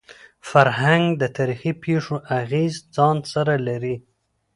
فرهنګ د تاریخي پېښو اغېز ځان سره لري.